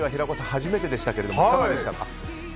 初めてでしたけどいかがでしたか？